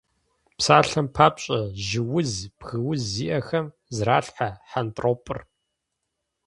Псалъэм папщӏэ, жьы уз, бгы уз зиӏэхэм зрахьэлӏэ хьэнтӏропӏыр.